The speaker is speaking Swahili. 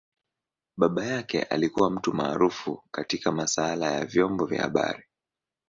Baba yake alikua mtu maarufu katika masaala ya vyombo vya habari.